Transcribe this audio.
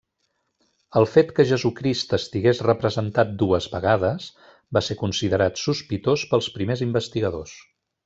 El fet que Jesucrist estigués representat dues vegades va ser considerat sospitós pels primers investigadors.